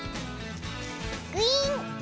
グイーン！